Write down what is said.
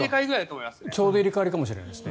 ちょうど入れ替わりかもしれないです。